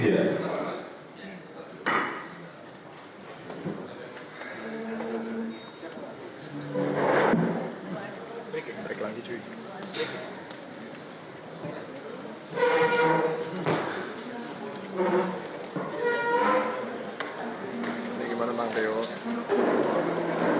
di sini itu dan lengkap di sini